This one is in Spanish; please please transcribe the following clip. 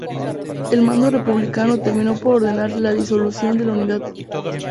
El mando republicano terminó por ordenar la disolución de la unidad.